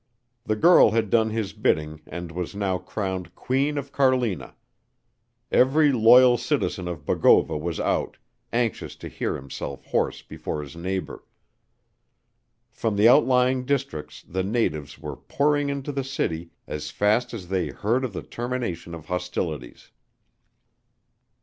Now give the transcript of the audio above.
The girl had done his bidding and was now crowned Queen of Carlina. Every loyal citizen of Bogova was out, anxious to cheer himself hoarse before his neighbor. From the outlying districts the natives were pouring into the city as fast as they heard of the termination of hostilities.